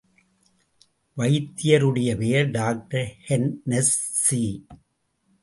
வைத்தியருடைய பெயர் doctor Hennessey.